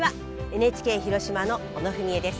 ＮＨＫ広島の小野文惠です。